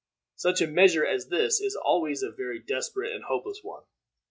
Such a measure as this is always a very desperate and hopeless one.